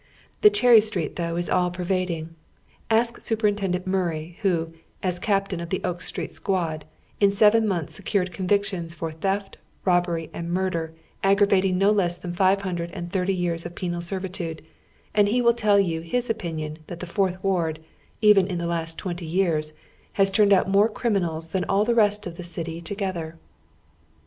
The Cherry Street tough is all pervading. Ask Superintendent Mur ray, who, as captain of the Oak Street squad, in seven months secui'ed convictions for theft, robbery, and murder aggregating no less than five luindred and thirty years of penal servitude, and he will tell yon his opinion tliat the Fourth Ward, even in the last tweiity yeai's, lias turned out more criminals than all the rest of the city togethei